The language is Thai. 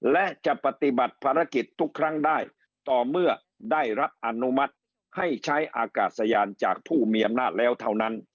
และจะปฏิบัติภารกิจทุกครั้งได้ต่อเมื่อได้รับอนุมัติให้ใช้อากาศยานจากผู้มีอำนาจแล้วเท่านั้น